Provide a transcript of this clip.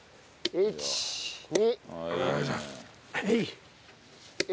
１２。